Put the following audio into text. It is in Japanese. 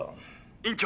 ☎院長